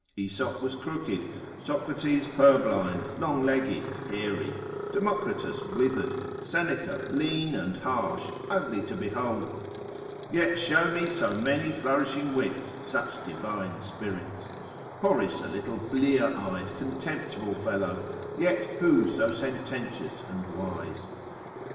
Aesop was crooked, Socrates purblind, long legged, hairy; Democritus withered, Seneca lean and harsh, ugly to behold, yet show me so many flourishing wits, such divine spirits: Horace a little blear eyed contemptible fellow, yet who so sententious and wise?